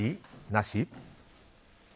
なし？